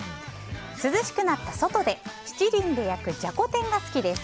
涼しくなって外で七輪で焼くじゃこ天が好きです。